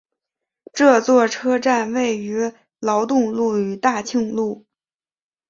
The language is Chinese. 这座车站位于劳动路与大庆路口。